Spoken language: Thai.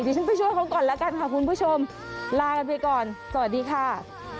ฉันไปช่วยเขาก่อนแล้วกันค่ะคุณผู้ชมลากันไปก่อนสวัสดีค่ะ